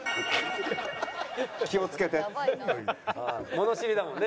物知りだもんね。